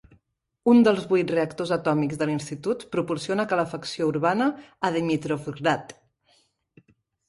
Un dels vuit reactors atòmics de l'institut proporciona calefacció urbana a Dimitrovgrad.